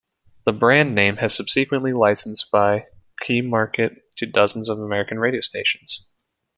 The brand name has subsequently licensed by Keymarket to dozens of American radio stations.